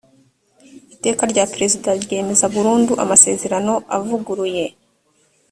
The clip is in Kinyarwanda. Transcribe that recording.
iteka rya perezida ryemeza burundu amasezerano avuguruye .